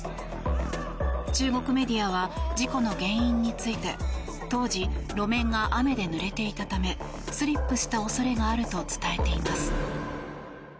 中国メディアは事故の原因について当時、路面が雨でぬれていたためスリップした恐れがあると伝えています。